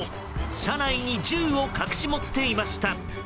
車内に銃を隠し持っていました。